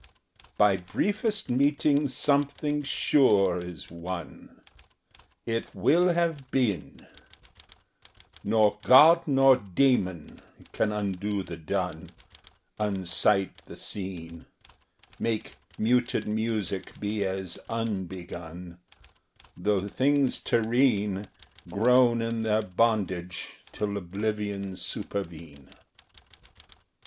By briefest meeting something sure is won; It will have been: Nor God nor Daemon can undo the done, Unsight the seen, Make muted music be as unbegun, Though things terrene Groan in their bondage till oblivion supervene.